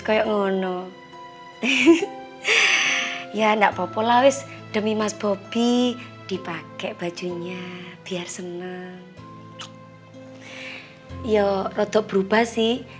kayak ngono ih ya enggak popolawes demi mas bobby dipakai bajunya biar senang yo rodo berubah sih